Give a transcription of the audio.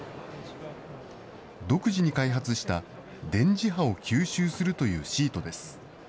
独自に開発した、電磁波を吸収するというシートです。